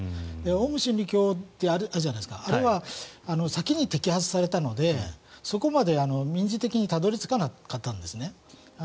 オウム真理教あるじゃないですかあれは先に摘発されたのでそこまで民事的にたどり着かなかったんですね。